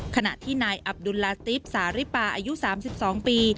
ขณะที่นายอับดุลราห์ตรีฟสาริปาอายุสามสิบสองปี